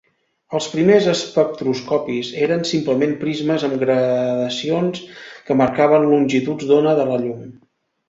Els primers espectroscopis eren simplement prismes amb gradacions que marcaven longituds d'ona de la llum.